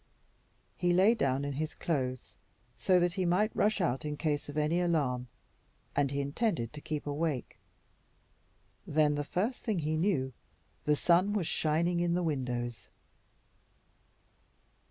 He lay down in his clothes so that he might rush out in case of any alarm, and he intended to keep awake. Then, the first thing he knew, the sun was shining in the windows.